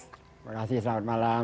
terima kasih selamat malam